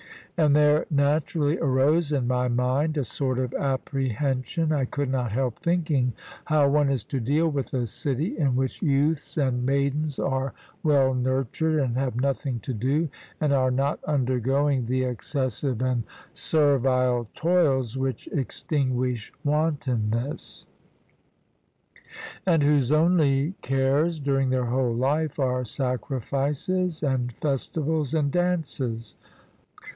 And there naturally arose in my mind a sort of apprehension I could not help thinking how one is to deal with a city in which youths and maidens are well nurtured, and have nothing to do, and are not undergoing the excessive and servile toils which extinguish wantonness, and whose only cares during their whole life are sacrifices and festivals and dances.